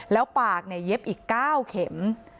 แล้วปากเย็บอีก๙เข็ม